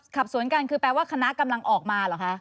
ขับสวนกันคือแปลว่าคณะกำลังออกมาเหรอคะ